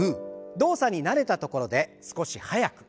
動作に慣れたところで少し速く。